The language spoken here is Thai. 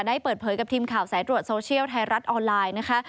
ได้เปิดเผยกับทีมข่าวสายตรวจโซเชียลไทยรัฐออนไลน์นะคะ